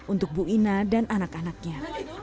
untuk bu ina dan anak anaknya